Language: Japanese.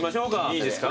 いいですか？